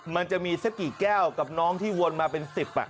มันจะมีสักกี่แก้วกับน้องที่วนมาเป็น๑๐